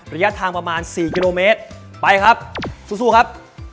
ระยะทางประมาณ๔กิโลเมตรไปครับสู้ครับ